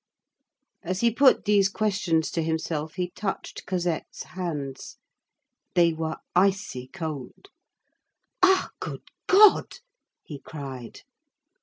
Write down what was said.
As he put these questions to himself, he touched Cosette's hands. They were icy cold. "Ah! good God!" he cried.